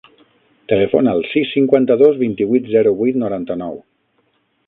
Telefona al sis, cinquanta-dos, vint-i-vuit, zero, vuit, noranta-nou.